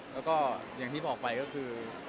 แล้วก็อย่างที่บอกไปก็คือ